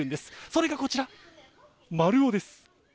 それがこちら、マルオです。